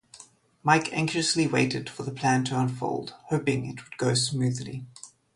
Mike anxiously waited for the plan to unfold, hoping that it would go smoothly.